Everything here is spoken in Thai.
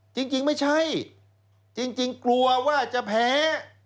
จริงไม่ใช่จริงกลัวว่าจะแพ้